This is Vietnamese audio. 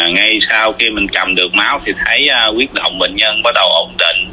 ngay sau khi mình cầm được máu thì thấy quyết động bệnh nhân bắt đầu ổn định